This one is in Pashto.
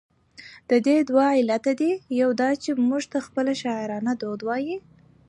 د دې دوه علته دي، يو دا چې، موږ ته خپله شاعرانه دود وايي،